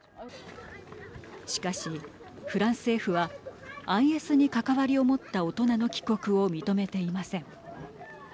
しかし、フランス政府はＩＳに関わりを持った大人の帰国を認めていません。